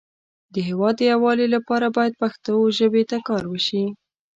د هیواد د یو والی لپاره باید پښتو ژبې ته کار وشی